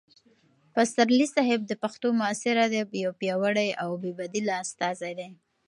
پسرلي صاحب د پښتو معاصر ادب یو پیاوړی او بې بدیله استازی دی.